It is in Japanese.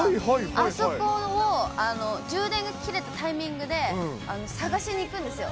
あそこを充電が切れたタイミングで、探しに行くんですよ。